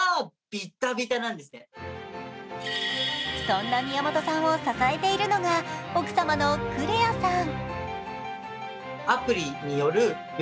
そんな宮本さんを支えているのが奥様のクレアさん。